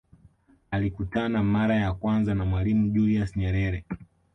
Alikutana mara ya kwanza na Mwalimu Julius Nyerere